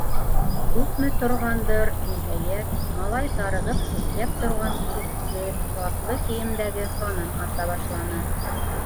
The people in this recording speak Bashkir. Күпме торғандыр, ниһайәт, малай зарығып текләп торған ишекте затлы кейемдәге ханым аса башланы.